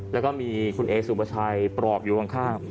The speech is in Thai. แล้วก็มีคุณเอสุปชัยปลอบอยู่ข้าง